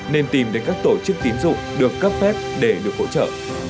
nên tìm đến các tổ chức tín dụng được cấp phép để được hỗ trợ